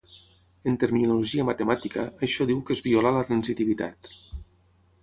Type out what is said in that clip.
En terminologia matemàtica, això diu que es viola la transitivitat.